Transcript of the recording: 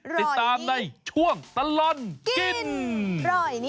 รอยนี้ติดตามในช่วงตลอนกินรอยนี้